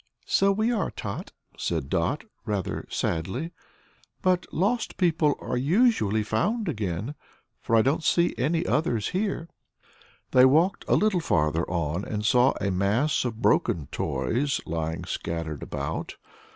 "So we are, Tot," said Dot, rather sadly; "but lost people are usually found again, for I don't see any others here." They walked a little farther on and saw a mass of broken toys lying scattered about.